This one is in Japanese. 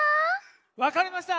わかりました。